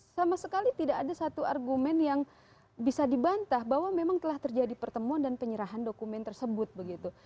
sama sekali tidak ada satu argumen yang bisa dibantah bahwa memang telah terjadi pertemuan dan penyerahan dokumen tersebut begitu